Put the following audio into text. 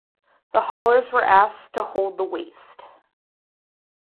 The haulers were asked to hold the waste.